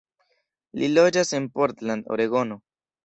Li loĝas en Portland, Oregono.